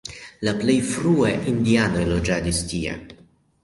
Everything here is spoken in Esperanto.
La plej frue indianoj loĝadis tie.